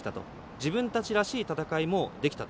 自分たちらしい戦いもできたと。